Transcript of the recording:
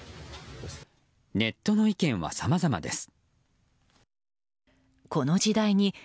ネットの意見はさまざまです。